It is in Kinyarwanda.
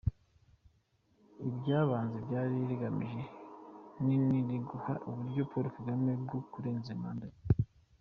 Icy’ibanze ryari rigamije nin uguha uburyo Paul Kagame bwo kurenza manda ebyiri.